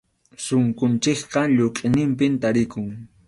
Sunqunchikqa lluqʼiniqpim tarikun.